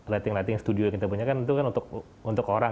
lighting lighting studio yang kita punya itu kan untuk orang